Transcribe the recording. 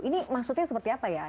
ini maksudnya seperti apa ya